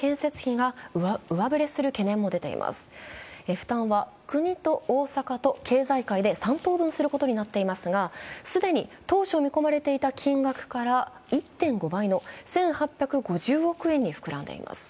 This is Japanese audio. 負担は国と大阪と経済界で三等分することになっていますが既に当初見込まれていた金額から１．５倍の１８５０億円に膨らんでいます。